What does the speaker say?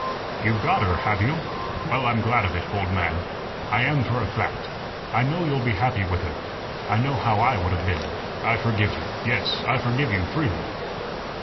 "You've got her, have you? Well, I'm glad of it, old man. I am, for a fact. I know you'll be happy with her. I know how I would have been. I forgive you; yes, I forgive you, freely."